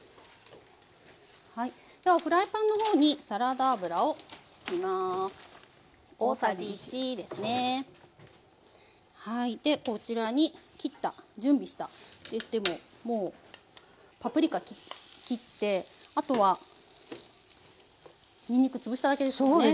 ではフライパンの方にでこちらに切った準備したって言ってももうパプリカ切ってあとはにんにく潰しただけですもんね。